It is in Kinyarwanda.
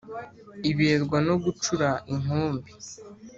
iberwa no gucura inkumbi